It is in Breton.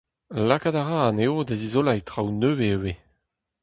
Lakaat a ra anezho da zizoleiñ traoù nevez ivez.